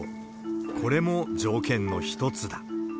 これも条件の一つだ。